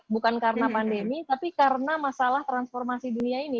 bukan karena pandemi tapi karena masalah transformasi dunia ini